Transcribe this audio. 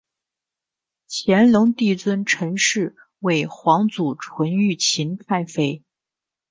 乾隆帝尊陈氏为皇祖纯裕勤太妃。